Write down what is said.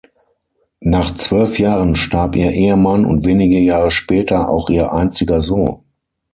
Nach zwölf Jahren starb ihr Ehemann und wenige Jahre später auch ihr einziger Sohn.